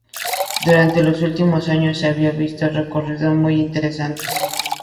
Durante los últimos años se habían visto recorridos muy interesantes.